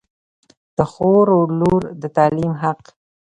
د خور و لور د تعلیم حق